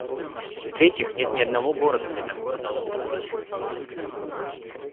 В-третьих нет ни одного города, где такое дало бы положительный результат